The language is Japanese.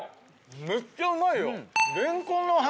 めっちゃうまいよ。